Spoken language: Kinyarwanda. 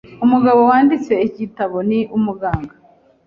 Umugabo wanditse iki gitabo ni umuganga.